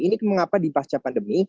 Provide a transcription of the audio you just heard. ini mengapa di pasca pandemi